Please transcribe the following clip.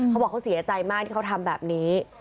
เขาบอกเขาเสียใจมากที่เขาทำแบบนี้